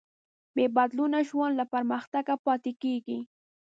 بېبدلونه ژوند له پرمختګه پاتې کېږي.